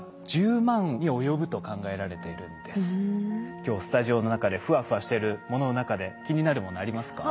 今日スタジオの中でフワフワしてるものの中で気になるものありますか？